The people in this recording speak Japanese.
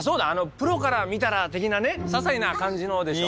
プロから見たら的なねささいな感じのでしょ？